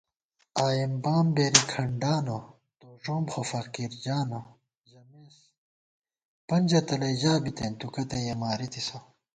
آئېم بامبېری کھڈانہ تو ݫوم خو فقیرجانہ ژمېس * پنجہ تلَئ ژا بِتېن تُو کتّیَہ مارِتِسہ